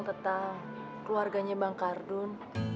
tentang keluarganya bang kardun